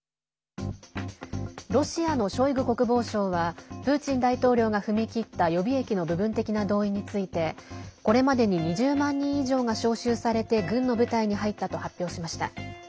ロシアのショイグ国防相はプーチン大統領が踏み切った予備役の部分的な動員についてこれまでに２０万人以上が招集されて軍の部隊に入ったと発表しました。